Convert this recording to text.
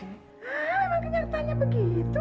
memang kenyataannya begitu